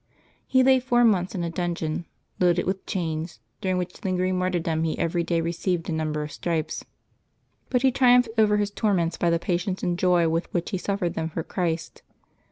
He lay four months in a dungeon, loaded with chains, during which lingering martyrdom he every day received a number of stripes. But he triumphed over his torments by the patience and joy with which he suffered them for Christ.